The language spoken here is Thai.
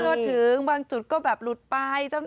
หลุดรอถึงบางจุดก็แบบหลุดไป